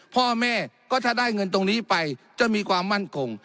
พ่อแม่ก็ถ้าได้เงินตรงนี้ไปจะมีความมั่นคง